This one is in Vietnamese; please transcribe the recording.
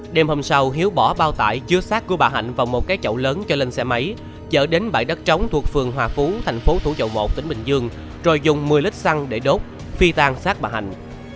đêm hôm sau hiếu bỏ bao tải chứa sát của bà hạnh vào một cái chậu lớn cho lên xe máy chở đến bãi đất trống thuộc phường hòa phú thành phố thủ dậu một tỉnh bình dương rồi dùng một mươi lít xăng để đốt phi tan sát bà hạnh